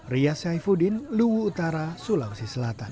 ria saifuddin luhutara sulawesi selatan